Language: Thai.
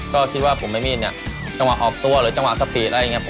ก็คิดว่าผมไม่มีเนี่ยจังหวะออกตัวหรือจังหวะสปีดอะไรอย่างนี้